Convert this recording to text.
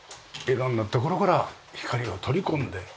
色んな所から光をとり込んで。